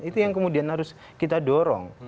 itu yang kemudian harus kita dorong